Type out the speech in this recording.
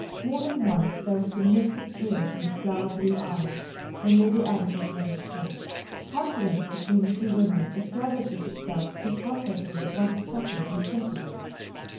More than once there was the mist of tears in the flower blue eyes when Lady Agatha came to talk. Confidence between two women establishes itself through processes at once subtle and simple.